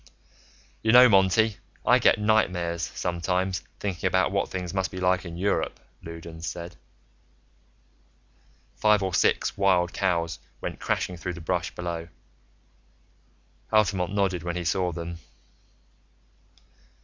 "You know, Monty, I get nightmares, sometimes, thinking about what things must be like in Europe," Loudons said. Five or six wild cows went crashing through the brush below. Altamont nodded when he saw them.